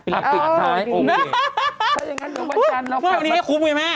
อ๋อปิดท้ายโอเคถ้ายังงั้นเดี๋ยววันจันทร์เราเปลี่ยนโอ้ยวันนี้คุ้มไว้แม่